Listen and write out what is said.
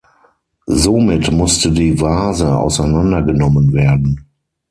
Somit musste die Vase auseinandergenommen werden.